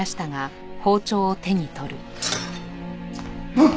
あっ！